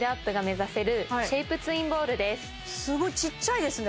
すごいちっちゃいですね